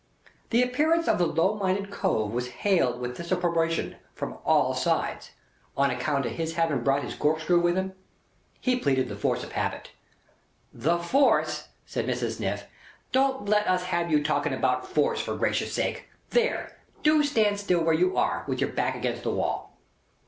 The appearance of the low minded cove was hailed with disapprobation from all sides, on account of his having brought his corkscrew with him. He pleaded "the force of habit." "The force!" said Mrs. Sniff. "Don't let us have you talking about force, for Gracious sake. There! Do stand still where you are, with your back against the wall."